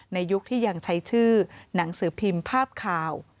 ยุคที่ยังใช้ชื่อหนังสือพิมพ์ภาพข่าว